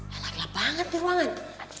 kelap banget di ruangan